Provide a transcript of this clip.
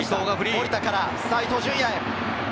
守田から伊東純也へ。